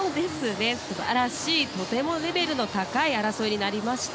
素晴らしい、とてもレベルの高い争いになりました。